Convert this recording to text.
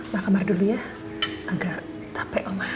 mbak kamar dulu ya agak capek mbak